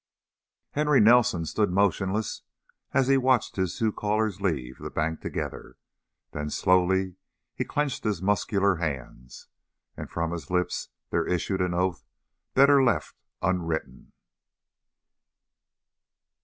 Henry Nelson stood motionless as he watched his two callers leave the bank together, then slowly he clenched his muscular hands, and from his lips there issued an oath better left unwritten.